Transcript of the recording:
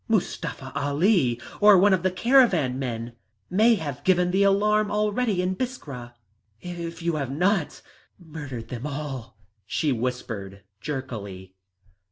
"Mustafa Ali, or one of the caravan men may have given the alarm already in Biskra if you have not murdered them all," she whispered jerkily.